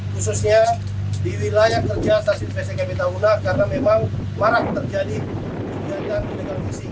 khususnya di wilayah kerja stasiun psk bintang una karena memang marah terjadi kegiatan jenderal visi